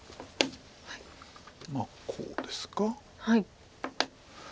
まあこうですか。